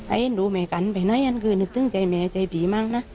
ไอ้น้องรู้แม่กันไปไหนก็คือตึงใจแม่ใจผีมั่งนะ